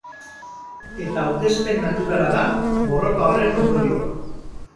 Eta hautespen naturala da borroka horren ondorioa.